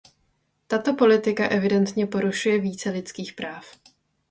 Tato politika evidentně porušuje více lidských práv.